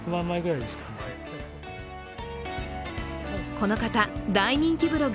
この方、大人気ブログ